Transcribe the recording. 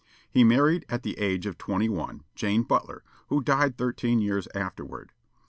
He married, at the age of twenty one, Jane Butler, who died thirteen years afterward.